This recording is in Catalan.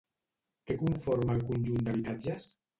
Què conforma el conjunt d'habitatges?